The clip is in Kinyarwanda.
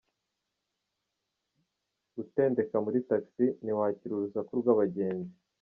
Gutendeka muri taxi, ntiwakira urusaku rw’abagenzi.